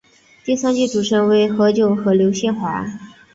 第三季主持人为何炅和刘宪华。